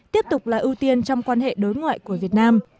tiếp tục là ưu tiên trong quan hệ đối ngoại của việt nam